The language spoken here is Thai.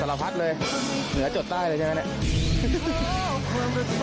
สละพัดเลยเหนือจดได้เลยใช่ไหม